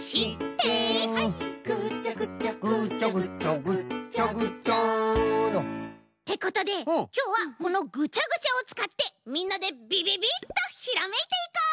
「ぐちゃぐちゃぐちゃぐちゃぐっちゃぐちゃ」てことできょうはこのぐちゃぐちゃをつかってみんなでビビビッとひらめいていこう！